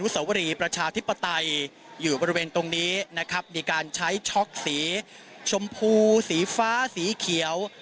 สวรีประชาธิปไตยอยู่บริเวณตรงนี้นะครับมีการใช้ช็อกสีชมพูสีฟ้าสีเขียว